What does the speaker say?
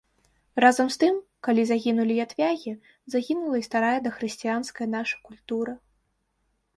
Разам з тым, калі загінулі ятвягі, загінула і старая дахрысціянская наша культура.